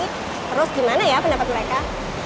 terus gimana ya pendapat mereka